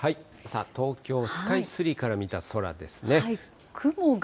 東京スカイツリーから見た空ですね。